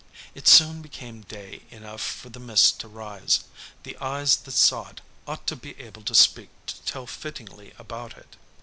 It soon became day enough for the mist to rise. The eyes that saw it ought to be able to speak to tell fittingly about it.